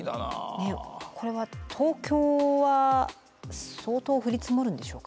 これは東京は相当降り積もるんでしょうか？